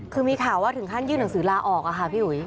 คือมีข่าวว่าถึงขั้นยื่นหนังสือลาออกอะค่ะพี่อุ๋ย